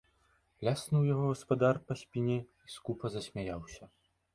Ляснуў яго гаспадар па спіне і скупа засмяяўся.